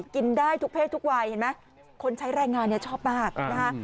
กินได้ทุกเพศทุกวัยเห็นไหมคนใช้แรงงานเนี่ยชอบมากนะฮะ